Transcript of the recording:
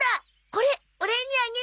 これお礼にあげるよ。